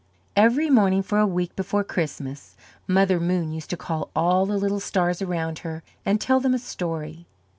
Every morning for a week before Christmas, Mother Moon used to call all the little stars around her and tell them a story.